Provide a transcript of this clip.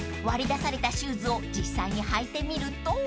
［割り出されたシューズを実際に履いてみると］